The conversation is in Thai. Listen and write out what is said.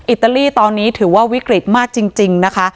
อิตาลีตอนนี้ถือว่าวิกฤตมากจริงนะคะ